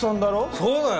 そうだよ！